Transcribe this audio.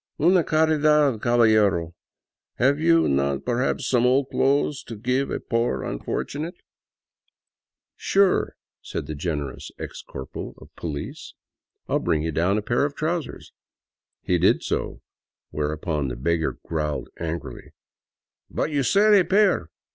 "Una carldad, caballero! Have you not perhaps some old clothes to give a poor unfortunate ?" 128 THE CITY OF THE EQUATOR " Sure," said the generous ex corporal of police. '' I '11 bring you down a pair of trousers." He did so, whereupon the beggar growled angrily :" But you said a pair!